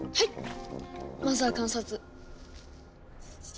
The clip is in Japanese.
まずは観察。